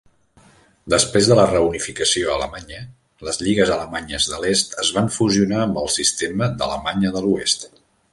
Després de la reunificació alemanya, les lligues alemanyes de l'est es van fusionar amb el sistema d'Alemanya de l'oest.